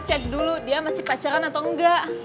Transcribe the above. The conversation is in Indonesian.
cek dulu dia masih pacaran atau enggak